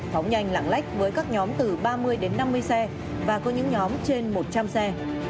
phóng nhanh lạng lách với các nhóm từ ba mươi đến năm mươi xe và có những nhóm trên một trăm linh xe